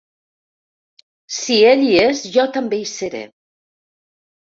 Si ell hi és, jo també hi seré.